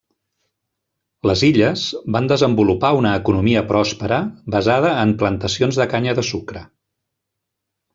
Les illes van desenvolupar una economia pròspera basada en plantacions de canya de sucre.